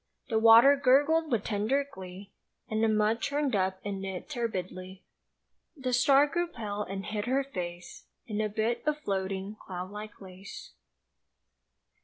The water gurgled with tender glee And the mud churned up in it turbidly. The star grew pale and hid her face In a bit of floating cloud like lace.